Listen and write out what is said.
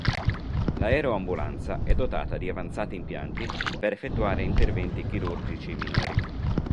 L'aeroambulanza è dotata di avanzati impianti per effettuare interventi chirurgici minori.